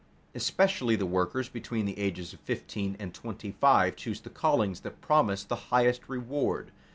Especially the workers between the ages of fifteen and twenty five choose the callings that promise the highest reward.